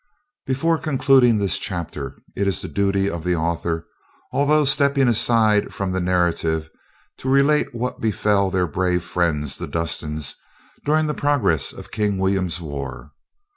Before concluding this chapter, it is the duty of the author, although stepping aside from the narrative, to relate what befell their brave friends, the Dustins, during the progress of King William's war.